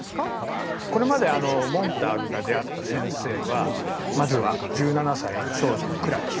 これまでモンターグが出会った先生はまずは１７歳の少女のクラリス。